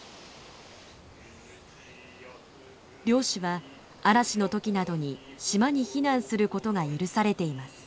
漁師は嵐の時などに島に避難することが許されています。